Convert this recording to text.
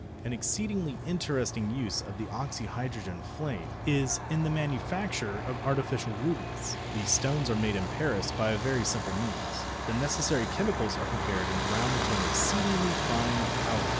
An exceedingly interesting use of the oxyhydrogen flame is in the manufacture of artificial rubies. These stones are made in Paris by a very simple means. The necessary chemicals are prepared and ground to an exceedingly fine powder.